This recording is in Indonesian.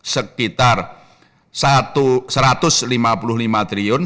sekitar rp enam ratus dua puluh dua satu triliun